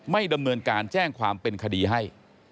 ไม่ดำเนินการแจ้งความเป็นคดีให้